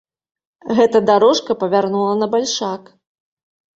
Гэта дарожка павярнула на бальшак.